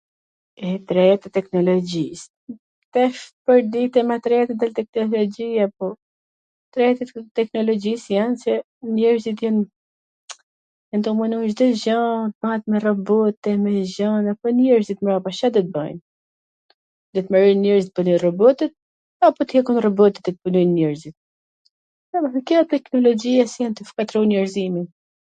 E, t rejat e teknologjis, tash, po i dite ma t rejat e teknologjia po t rejat e teknologjjis jan se njerzit jan tu u munu Cdo gja t bahet me robot e me gjana, po njerzit mbrapa Ca do t bajn, tw mbarojn njerzit t punojn robotat, apo t ikun robotwt e t punojn njerzit? Dimethan kjo a teknologjia qw shkatrron njerzimin.